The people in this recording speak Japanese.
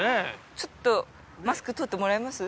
ちょっとマスク取ってもらえます？